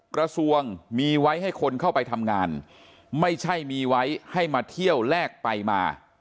กระทรวงมีไว้ให้คนเข้าไปทำงานไม่ใช่มีไว้ให้มาเที่ยวแลกไปมา